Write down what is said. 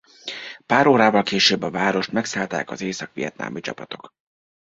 Pár órával később a várost megszállták az észak-vietnámi csapatok.